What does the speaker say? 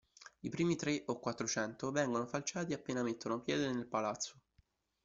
I primi tre o quattrocento vengono falciati appena mettono piede nel palazzo.